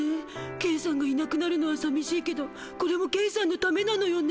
ケンさんがいなくなるのはさみしいけどこれもケンさんのためなのよね。